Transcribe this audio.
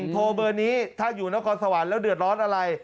โทรเบอร์นี้ถ้าอยู่นครสวรรค์แล้วเดือดร้อนอะไร